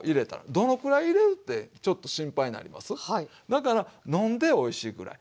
だから飲んでおいしいぐらい。